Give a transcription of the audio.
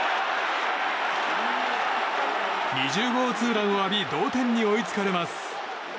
２０号ツーランを浴び同点に追いつかれます。